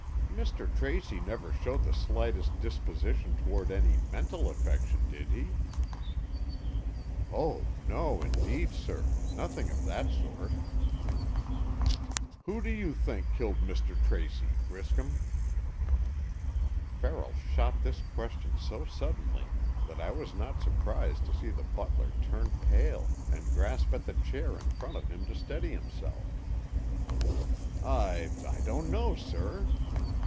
"Mr. Tracy never showed the slightest disposition toward any mental affection, did he?" "Oh, no, indeed, sir. Nothing of that sort." "Who do you think killed Mr. Tracy, Griscom?" Farrell shot this question so suddenly that I was not surprised to see the butler turn pale and grasp at the chair in front of him to steady himself. "I—I don't know, sir."